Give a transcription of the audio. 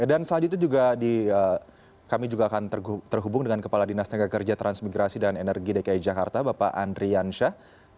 dan selanjutnya juga kami akan terhubung dengan kepala dinas tengah kerja transmigrasi dan energi dki jakarta bapak andrian syah